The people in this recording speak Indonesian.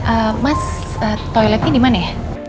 eh mas toiletnya dimana ya